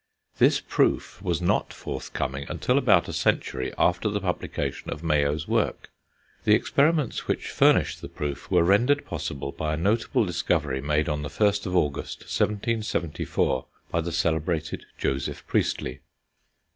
This proof was not forthcoming until about a century after the publication of Mayow's work. The experiments which furnished the proof were rendered possible by a notable discovery made on the 1st of August 1774, by the celebrated Joseph Priestley.